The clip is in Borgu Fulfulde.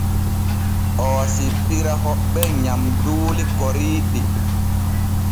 Oo sippira hoɓɓe nyamduuli koriiɗi.